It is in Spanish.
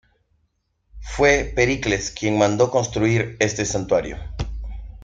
Fue Pericles quien mandó construir este santuario.